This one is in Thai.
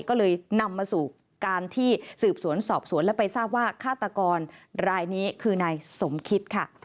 ก็เลยนำมาสู่การที่สืบสวนสอบสวนและไปทราบว่าฆาตกรรายนี้คือนายสมคิดค่ะ